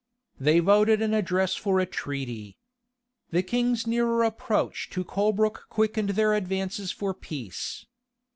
They voted an address for a treaty. The king's nearer approach to Colebroke quickened their advances for peace.